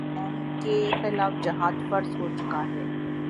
یا کسی خاص قوم کے خلاف جہاد فرض ہو چکا ہے